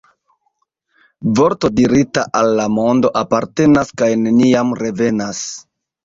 Vorto dirita al la mondo apartenas kaj neniam revenas.